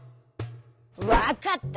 「わかった。